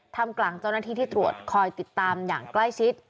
ทำกลางเจ้าหน้าที่ที่ตรวจคอยติดตามอย่างใกล้ชิด